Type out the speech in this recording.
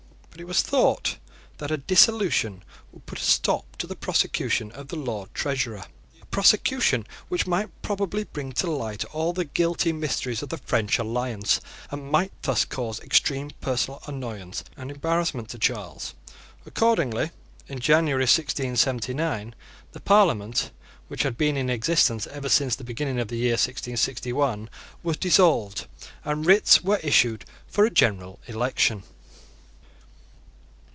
But it was thought that a dissolution would put a stop to the prosecution of the Lord Treasurer, a prosecution which might probably bring to light all the guilty mysteries of the French alliance, and might thus cause extreme personal annoyance and embarrassment to Charles. Accordingly, in January, 1679, the Parliament, which had been in existence ever since the beginning of the year 1661, was dissolved; and writs were issued for a general election.